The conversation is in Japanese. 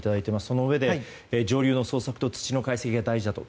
そのうえで上流の捜索と土の解析が大事だと。